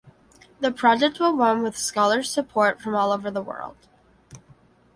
The project will run with scholars support from all over the world.